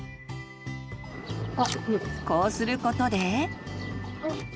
こうすることで。